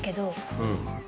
うん。